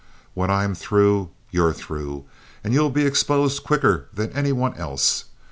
When I'm through, you're through, and you'll be exposed quicker than any one else.